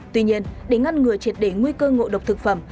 tuy nhiên để ngăn ngừa triệt để nguy cơ ngộ độc thực phẩm